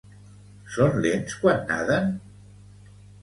Són lents quan naden?